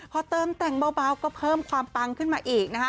พอเติมแต่งเบาก็เพิ่มความปังขึ้นมาอีกนะคะ